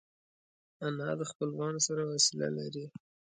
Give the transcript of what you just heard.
انا د خپلوانو سره وصله لري